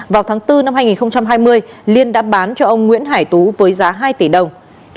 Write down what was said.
vào tháng bốn năm hai nghìn hai mươi liên đã bán cho ông nguyễn hải tú với giá hai tỷ đồng